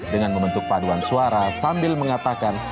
dengan membentuk paduan suara sambil mengatakan